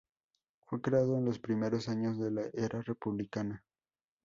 Fue creado en los primeros años de la era republicana.